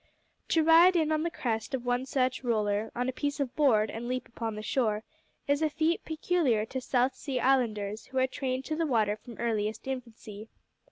To ride in on the crest of one such roller on a piece of board and leap upon the shore, is a feat peculiar to South Sea islanders, who are trained to the water from earliest infancy.